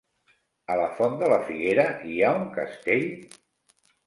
A la Font de la Figuera hi ha un castell?